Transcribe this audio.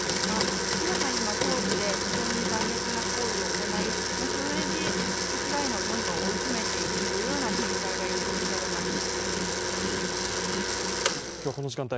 明らかに東部で非常に残虐な行為を行い、それでウクライナをどんどん追い詰めていくという展開が予測されます。